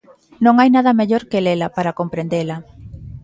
Non hai nada mellor que lela para comprendela.